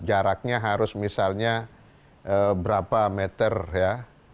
jaraknya harus misalnya berapa meter ya